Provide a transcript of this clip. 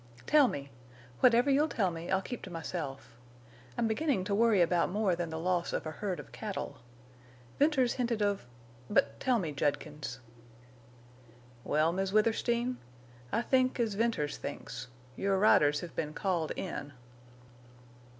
"Tell me. Whatever you'll tell me I'll keep to myself. I'm beginning to worry about more than the loss of a herd of cattle. Venters hinted of—but tell me, Judkins." "Well, Miss Withersteen, I think as Venters thinks—your riders have been called in."